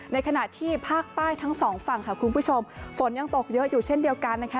ในขณะที่ภาคใต้ทั้งสองฝั่งค่ะคุณผู้ชมฝนยังตกเยอะอยู่เช่นเดียวกันนะคะ